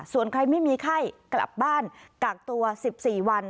ส่วนใครไม่มีไข้กลับบ้านกักตัว๑๔วัน